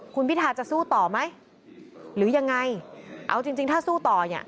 คุณพิทาจะสู้ต่อไหมหรือยังไงเอาจริงจริงถ้าสู้ต่อเนี่ย